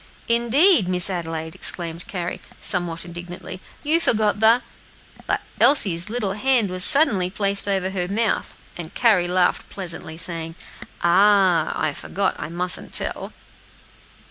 "Indeed, Miss Adelaide!" exclaimed Carry, somewhat indignantly, "you forget the " But Elsie's little hand was suddenly placed over her mouth, and Carry laughed pleasantly, saying, "Ah! I forgot, I mustn't tell."